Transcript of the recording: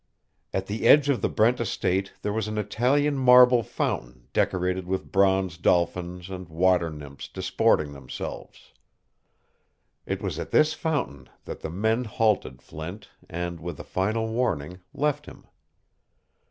At the edge of the Brent estate there was an Italian marble fountain decorated with bronze dolphins and water nymphs disporting themselves. It was at this fountain that the men halted Flint and, with a final warning, left him.